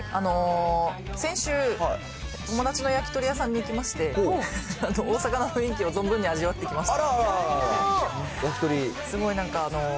先週、友達の焼き鳥屋さんに行きまして、大阪の雰囲気を存分に味わってきました。